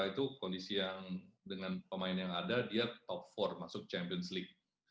itu kondisi yang dengan pemain yang ada dia top empat masuk champions league